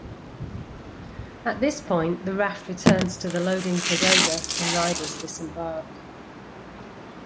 At this point the raft returns to the loading pagoda and riders disembark.